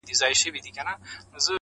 o له خدای وطن سره عجیبه مُحبت کوي.